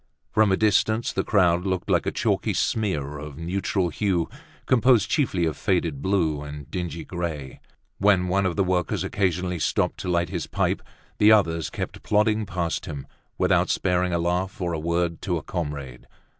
From a distance the crowd looked like a chalky smear of neutral hue composed chiefly of faded blue and dingy gray. When one of the workers occasionally stopped to light his pipe the others kept plodding past him, without sparing a laugh or a word to a comrade.